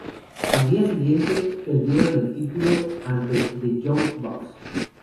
Al día siguiente, perdieron el título ante The Young Bucks.